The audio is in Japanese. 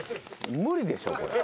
・無理でしょこれ。